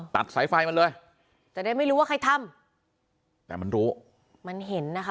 ตัดสายไฟมันเลยจะได้ไม่รู้ว่าใครทำแต่มันรู้มันเห็นนะคะ